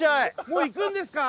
もういくんですか？